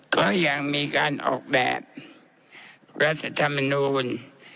ก็ยังมีการออกแบบรัฐธรรมนูล